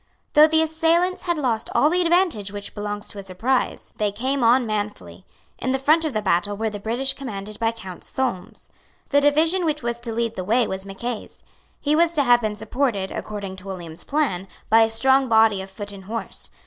Though the assailants had lost all the advantage which belongs to a surprise, they came on manfully. In the front of the battle were the British commanded by Count Solmes. The division which was to lead the way was Mackay's. He was to have been supported, according to William's plan, by a strong body of foot and horse.